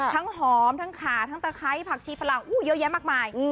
หอมทั้งขาทั้งตะไคร้ผักชีฝรั่งเยอะแยะมากมาย